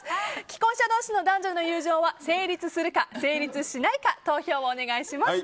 既婚者同士の男女の友情は成立するかしないか投票をお願いします。